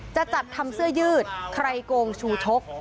จะจัดทำเสื้อยืดใครโกงชูชก